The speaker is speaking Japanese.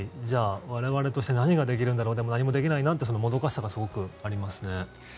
じゃあ我々として何ができるんだろうでも、何もできないなってもどかしさがすごくありますね。